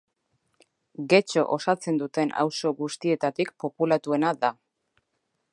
Getxo osatzen duten auzo guztietatik populatuena da.